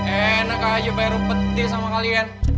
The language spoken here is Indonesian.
enak aja bayar rupet di sama kalian